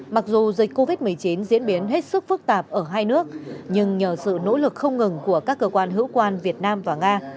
mặc dù dịch covid một mươi chín diễn biến hết sức phức tạp ở hai nước nhưng nhờ sự nỗ lực không ngừng của các cơ quan hữu quan việt nam và nga